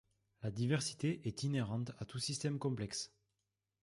La diversité est inhérente à tout système complexe.